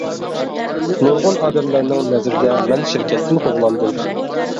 نۇرغۇن ئادەملەرنىڭ نەزىرىدە مەن شىركەتتىن قوغلاندىم.